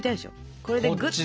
これでグッと。